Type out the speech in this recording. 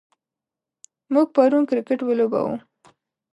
موږ پرون کرکټ ولوباوه.